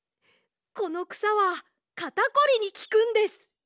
このくさはかたこりにきくんです。